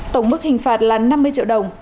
tổng mức hình phạt là năm mươi triệu đồng